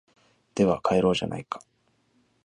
では帰ろうじゃないか